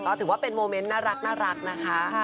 ก็ถือว่าเป็นโมเมนต์น่ารักนะคะ